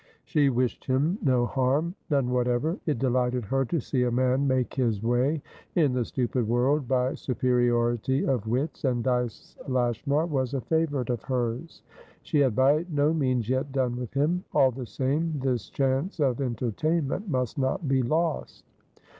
She wished him no harm; none whatever. It delighted her to see a man make his way in the stupid world by superiority of wits, and Dyce Lashmar was a favourite of hers; she had by no means yet done with him. All the same, this chance of entertainment must not be lost.